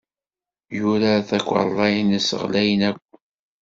Yurar takarḍa-nnes ɣlayen akk.